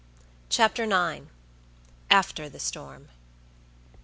CHAPTER IX. AFTER THE STORM.